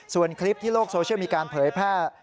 ส่วนคลิปที่โลกโซเชียลมีการเผยแพร่